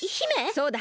そうだ。